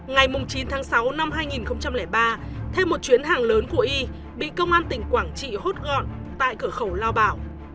ngày chín tháng sáu năm hai nghìn ba thêm một chuyến hàng lớn của y bị công an tỉnh quảng trị hút gọn tại cửa khẩu lao bảo